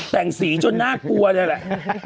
แต่งสีจนน่ากลัวเลยแหละ